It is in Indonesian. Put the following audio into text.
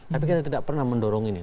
tapi kita tidak pernah mendorong ini